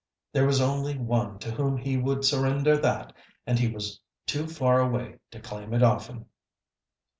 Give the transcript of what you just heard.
There was only one to whom he would surrender that, and he was too far away to claim it often.